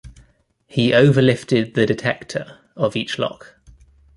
He overlifted the detector of each lock.